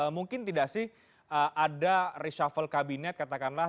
mungkin tidak sih ada reshuffle kabinet katakanlah